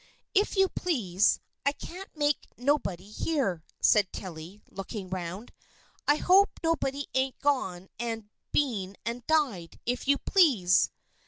"If you please, I can't make nobody hear," said Tilly, looking round. "I hope nobody ain't gone and been and died, if you please."